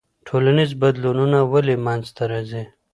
ټولنیز بدلونونه ولې منځ ته راځي؟